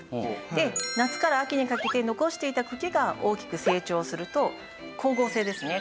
で夏から秋にかけて残していた茎が大きく成長すると光合成ですね